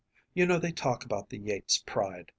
You know they talk about the Yates pride.